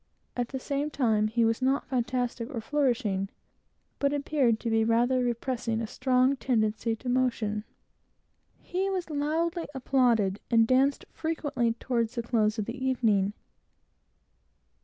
At the same time he was not fantastic or flourishing, but appeared to be rather repressing a strong tendency to motion. He was loudly applauded, and danced frequently toward the close of the evening.